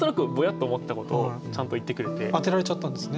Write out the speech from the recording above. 当てられちゃったんですね？